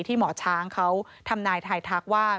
หมอช้างเขาทำนายทายทักว่า